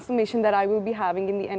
perubahan yang akan saya lakukan di akhir hujan